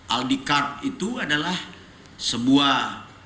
aldikar itu adalah sebuah